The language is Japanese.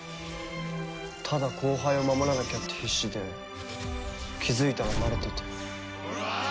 ただ後輩を守らなきゃって必死で気づいたらなれてて。